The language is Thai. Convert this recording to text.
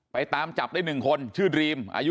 ตามจับได้๑คนชื่อดรีมอายุ